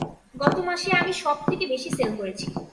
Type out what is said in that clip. গত মাসে আমি সব থেকে বেশি সেল করেছি।